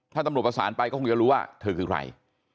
ถ้าตำรวจประสานไปก็คงจะรู้ว่าเธอคือใคร